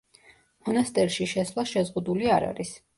მონასტერში შესვლა შეზღუდული არ არის.